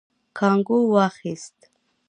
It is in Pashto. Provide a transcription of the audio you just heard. کانګو واخيست.